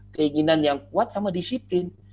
keinginan yang kuat sama disiplin